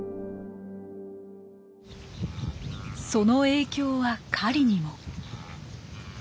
その影響は狩りにも。